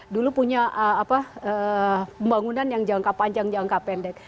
dulu punya pembangunan yang jangka panjang jangka pendek